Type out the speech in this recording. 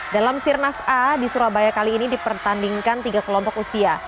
dalam sirnas a di surabaya kali ini dipertandingkan tiga kelompok usia